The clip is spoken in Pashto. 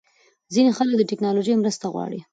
ځینې خلک د ټېکنالوژۍ مرسته غواړي.